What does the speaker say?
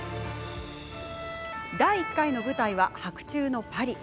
第１回の舞台は、白昼のパリ。